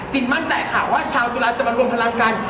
มั่นใจค่ะว่าชาวจุฬาจะมารวมพลังกัน